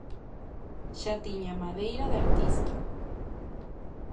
Xa tiña madeira de artista.